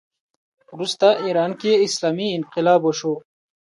وروسته ایران کې اسلامي انقلاب وشو